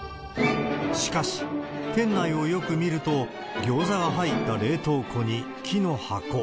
しかし、店内をよく見るとギョーザが入った冷凍庫に木の箱。